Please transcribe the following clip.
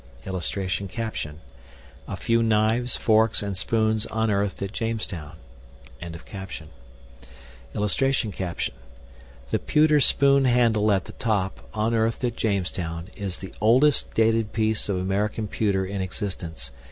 [Illustration: A FEW KNIVES, FORKS, AND SPOONS UNEARTHED AT JAMESTOWN.] [Illustration: THE PEWTER SPOON HANDLE AT THE TOP, UNEARTHED AT JAMESTOWN, IS THE OLDEST DATED PIECE OF AMERICAN PEWTER IN EXISTENCE.